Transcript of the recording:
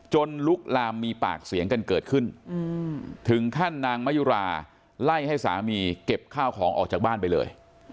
ลุกลามมีปากเสียงกันเกิดขึ้นถึงขั้นนางมะยุราไล่ให้สามีเก็บข้าวของออกจากบ้านไปเลย